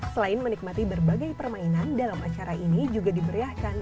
selain menikmati berbagai permainan dalam acara ini juga diberiahkan